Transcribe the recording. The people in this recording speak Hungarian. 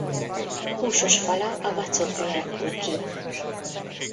Húsos fala a vacokból alakul ki.